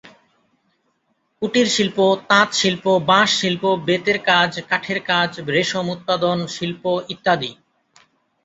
কুটিরশিল্প তাঁতশিল্প, বাঁশশিল্প, বেতের কাজ, কাঠের কাজ, রেশম উৎপাদন শিল্প ইত্যাদি।